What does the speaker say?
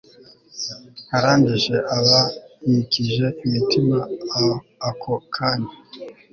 arangije aba yikije imitima ako kanya